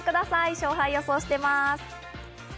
勝敗予想をしています。